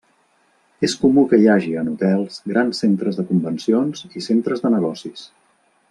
És comú que hi hagi en hotels, grans centres de convencions i centres de negocis.